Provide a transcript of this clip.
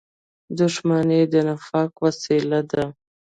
• دښمني د نفاق وسیله ده.